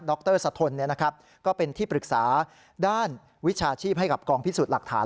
รสะทนก็เป็นที่ปรึกษาด้านวิชาชีพให้กับกองพิสูจน์หลักฐาน